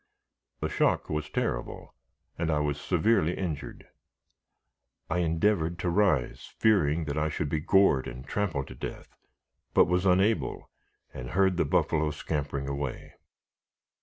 The shock was terrible, and I was severely injured. I endeavored to rise, fearing that I should be gored and trampled to death, but was unable, and heard the buffalo scampering away.